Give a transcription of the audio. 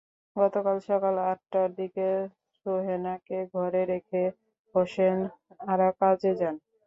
গতকাল সকাল আটটার দিকে সুহেনাকে ঘরে রেখে হোসনে আরা কাজে যান।